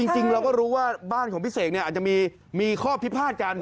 จริงเราก็รู้ว่าบ้านของพี่เสกอาจจะมีข้อพิพาทกัน